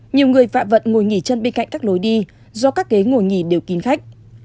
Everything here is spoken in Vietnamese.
nhiều người vạ vận ngồi nghỉ chân bên cạnh các lối đi do các ghế ngồi nhì đều kín khách